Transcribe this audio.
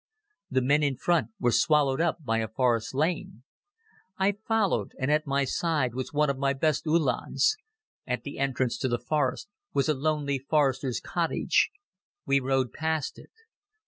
The men in front were swallowed up by a forest lane. I followed and at my side was one of my best Uhlans. At the entrance to the forest was a lonely forester's cottage. We rode past it.